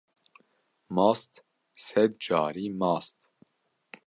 Mast sed carî mast.